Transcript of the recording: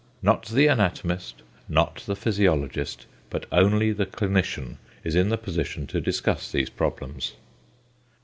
Not the anatomist, not the physiologist, but only the clinician is in the position to discuss these problems.